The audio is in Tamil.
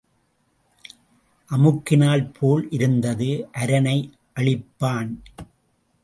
அமுக்கினால் போல் இருந்து அரணை அழிப்பான்.